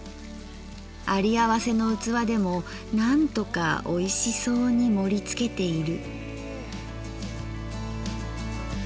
あり合わせの器でもなんとか美味しそうに盛りつけている」。